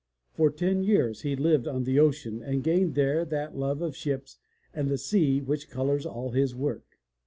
For ten years he lived on the ocean and gained there that love of ships and the sea which colors all his work.